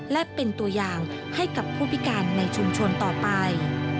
และเป็นตัวอย่างให้กับผู้พิการในชุมชนต่อไป